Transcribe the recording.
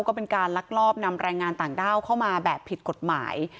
ก็เป็นการลักลอบนำแรงงานต่างด้าวเข้ามาแบบผิดกฎหมาย